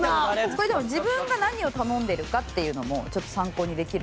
これでも自分が何を頼んでいるかっていうのもちょっと参考にできる。